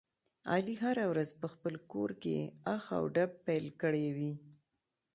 علي هره ورځ په خپل کورکې اخ او ډب پیل کړی وي.